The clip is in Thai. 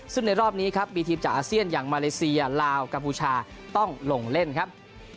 ซึ่งในรอบนี้ครับมีทีมจากอาเซียนอย่างมาเลเซียลาวกัมพูชาต้องลงเล่นครับ